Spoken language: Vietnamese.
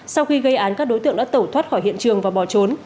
sau khi gây án các đối tượng đã tẩu thoát khỏi hiện trường và bỏ trốn